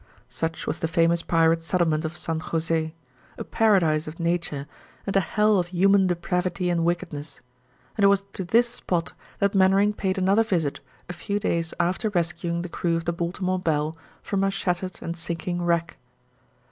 Such was the famous pirates' settlement of San José a paradise of nature and a hell of human depravity and wickedness and it was to this spot that Mainwaring paid another visit a few days after rescuing the crew of the Baltimore Belle from her shattered and sinking wreck.